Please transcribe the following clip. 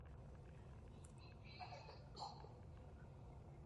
Epicentrum se nacházelo v blízkosti místní části Záhřebu Makuševac.